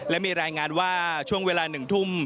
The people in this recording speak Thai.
และมีรายงานว่าช่วงเวลา๑ทุ่ม